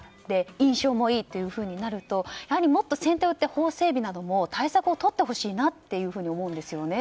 印象もいいとなるとやはりもっと先手を打って法整備などの対策をとってほしいと思うんですよね。